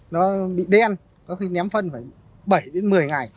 nó bị đen có khi ném phân phải bảy đến một mươi ngày